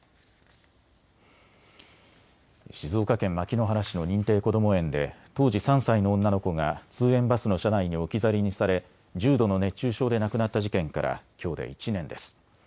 静岡県牧之原市の認定こども園で当時３歳の女の子が通園バスの車内に置き去りにされ重度の熱中症で亡くなった事件からきょうで１年です。